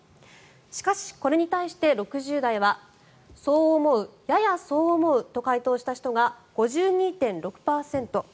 しかし、これに対して６０代はそう思うややそう思うと回答した人が５２．６％。